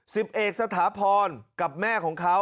สิบเอกสถาพรกับแม่ของเขา